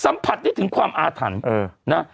สัมผัสได้ถึงความอาถรรพ์นะ